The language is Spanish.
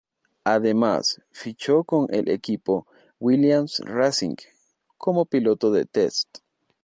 Además, fichó con el equipo Williams Racing como piloto de "test".